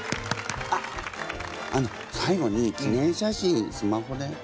あっあの最後に記念写真スマホでとっても。